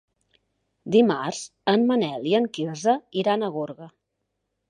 Dimarts en Manel i en Quirze iran a Gorga.